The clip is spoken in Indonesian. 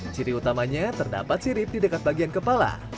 ciri utamanya terdapat sirip di dekat bagian kepala